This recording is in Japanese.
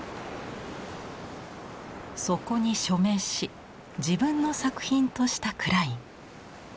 そこに署名し自分の作品としたクライン。